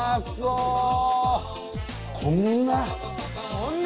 こんな。